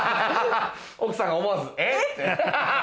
奥さんが思わず。